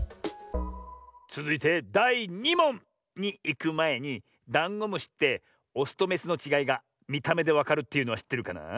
つづいてだい２もん！にいくまえにダンゴムシってオスとメスのちがいがみためでわかるというのはしってるかな？